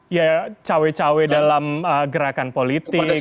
ya cawe cawe dalam gerakan politik